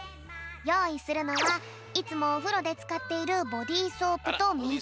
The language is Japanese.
よういするのはいつもおふろでつかっているボディソープとみず。